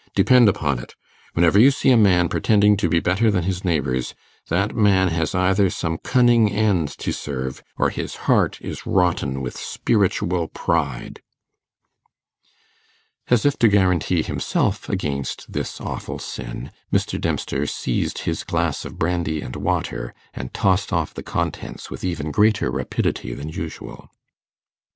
Depend upon it, whenever you see a man pretending to be better than his neighbours, that man has either some cunning end to serve, or his heart is rotten with spiritual pride.' As if to guarantee himself against this awful sin, Mr. Dempster seized his glass of brandy and water, and tossed off the contents with even greater rapidity than usual.